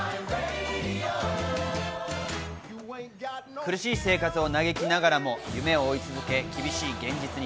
苦しい生活を嘆きながらも夢を追い続け厳しい現実に